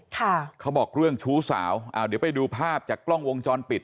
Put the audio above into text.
เขาบอกเรื่องชู้สาวอ่าเดี๋ยวไปดูภาพจากกล้องวงจรปิด